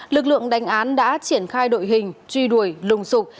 lực lượng đánh án đã triển khai đội hình truy đuổi lùng sụp